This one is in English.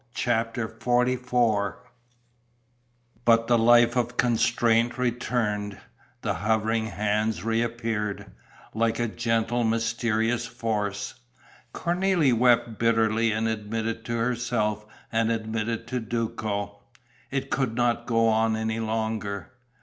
CHAPTER XLIV But the life of constraint returned, the hovering hands reappeared, like a gentle mysterious force. Cornélie wept bitterly and admitted to herself and admitted to Duco: it could not go on any longer.